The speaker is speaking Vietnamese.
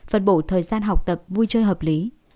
phân bổ thời gian học tập vui chơi hợp lý